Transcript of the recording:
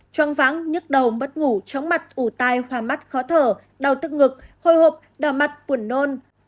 choáng váng nhức đầu mất ngủ chóng mặt ủ tai hoa mắt khó thở đau thức ngực hồi hộp đào mặt buồn nôn